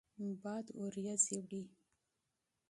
باد بادلونه وړي